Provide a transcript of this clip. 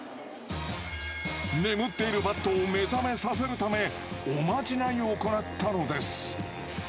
眠っているバットを目覚めさせるためおまじないを行ったのです。